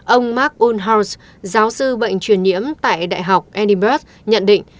ông mark unhals giáo sư bệnh truyền nhiễm tại đại học edinburgh nhận định